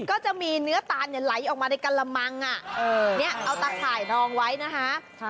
ก็จะมีเนื้อตานเนี่ยไหลออกมาในการะมังเออเอาตาข่ายรองไว้นะคะค่ะ